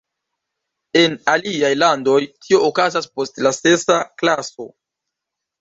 En aliaj landoj tio okazas post la sesa klaso.